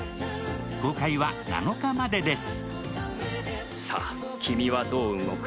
公開は７日までです。